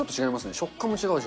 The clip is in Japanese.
食感も違うし。